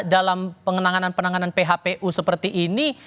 dalam pengenangan penanganan phpu seperti ini